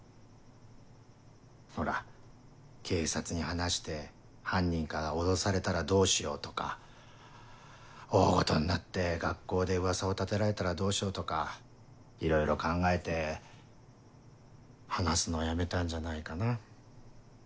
ほら警察に話して犯人から脅されたらどうしようとか大ごとになって学校で噂を立てられたらどうしようとかいろいろ考えて話すのをやめたんじゃないかな。